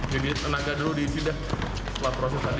jadi tenaga dulu diisi dah setelah proses tadi